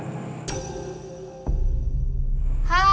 gak takut setan